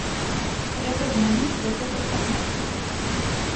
Трэба змяніць крыху пастаноўку.